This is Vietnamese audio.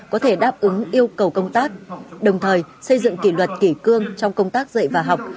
có thể đáp ứng yêu cầu công tác đồng thời xây dựng kỷ luật kỷ cương trong công tác dạy và học